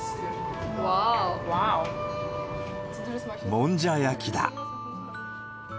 もんじゃ焼きだ。